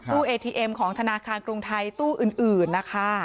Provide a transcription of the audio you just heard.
เอทีเอ็มของธนาคารกรุงไทยตู้อื่นนะคะ